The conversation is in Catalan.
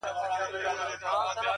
Van ser principalment obrers.